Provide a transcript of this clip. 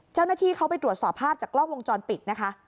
เจ้าหน้าที่เขาไปตรวจสอบภาพจากกล้องวงจรปิดนะคะ